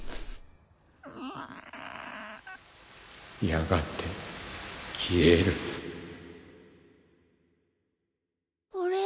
やがて消える俺俺。